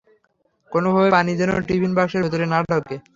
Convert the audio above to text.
কোনোভাবেই পানি যেন টিফিন বাক্সের ভেতরে না ঢোকে।